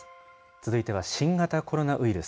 続いては新型コロナウイルス。